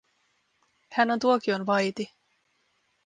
Hän on tuokion vaiti.